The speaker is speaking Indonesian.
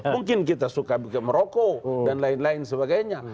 mungkin kita suka merokok dan lain lain sebagainya